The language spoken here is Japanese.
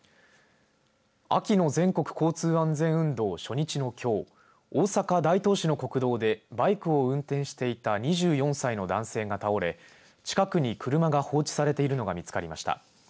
秋の全国交通安全運動初日のきょう大阪・大東市の国道でバイクを運転していた２４歳の男性が倒れ近くに車が放置されているのが見つかりました。